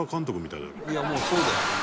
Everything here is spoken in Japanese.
「いやもうそうだよ」